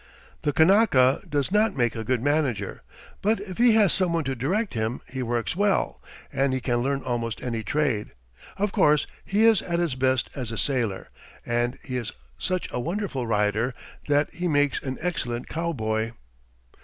The Kanaka does not make a good manager, but if he has some one to direct him he works well, and he can learn almost any trade; of course he is at his best as a sailor, and he is such a wonderful rider that he makes an excellent cowboy.